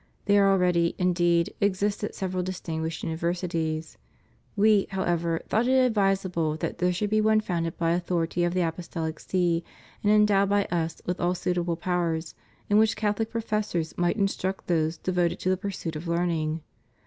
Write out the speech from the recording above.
There already, indeed, existed several distinguished imiversities. We, however, thought it ad\'isable that there should be one founded by authority of the Apostolic See and endowed by Us with all suitable powers, in which Catholic professors might instruct those devoted to the pursuit of learning.